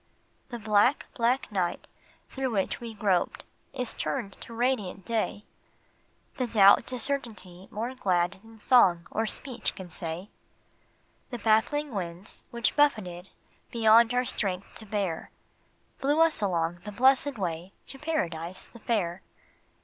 The black, black night through which we groped is turned to radiant day, The doubt to certainty more glad than song or speech can say ; The baffling winds which buffeted beyond our strength to bear, Blew us along the blessed way to Paradise the Fair.